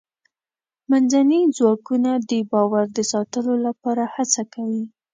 منځني ځواکونه د باور د ساتلو لپاره هڅه کوي.